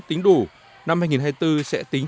tính đủ năm hai nghìn hai mươi bốn sẽ tính